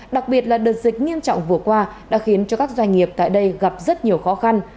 đặc biệt là đợt dịch nghiêm trọng vừa qua đã khiến cho các doanh nghiệp tại đây gặp rất nhiều khó khăn